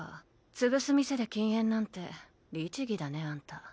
潰す店で禁煙なんて律儀だねあんた。